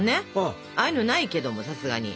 ああいうのないけどもさすがに。